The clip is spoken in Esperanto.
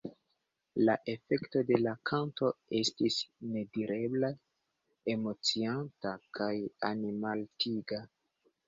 La efekto de la kanto estis nedireble emocianta kaj animaltiga.